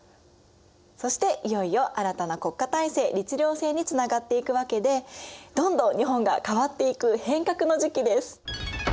そしていよいよ新たな国家体制律令制につながっていくわけでどんどん日本が変わっていく変革の時期です。